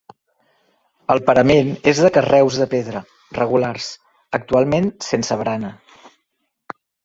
El parament és de carreus de pedra regulars, actualment sense barana.